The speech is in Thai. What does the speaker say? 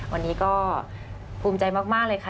วันนี้ก็ภูมิใจมากเลยค่ะ